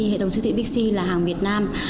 hệ thống siêu thị bixi là hàng việt nam